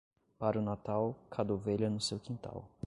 Para o Natal, cada ovelha no seu quintal.